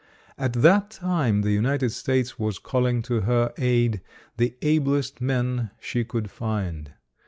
At that time, the United States was calling to her aid the ablest men she could find.